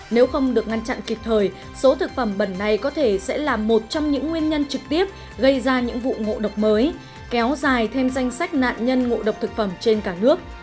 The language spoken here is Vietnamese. nếu không được ngăn chặn kịp thời số thực phẩm bẩn này có thể sẽ là một trong những nguyên nhân trực tiếp gây ra những vụ ngộ độc mới kéo dài thêm danh sách nạn nhân ngộ độc thực phẩm trên cả nước